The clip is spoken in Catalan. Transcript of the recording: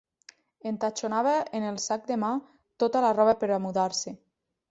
Entatxonava en el sac de mà tota la roba per a mudar-se.